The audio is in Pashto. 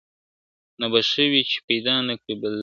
نو به ښه وي چي پیدا نه کړې بل ځل خر ,